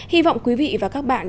hy vọng quý vị và các bạn